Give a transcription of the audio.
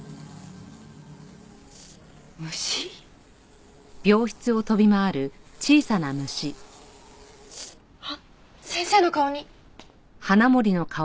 虫？あっ先生の顔に。